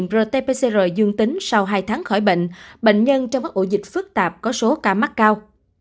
rt pcr dương tính sau hai tháng khỏi bệnh bệnh nhân trong các ổ dịch phức tạp có số ca mắc cao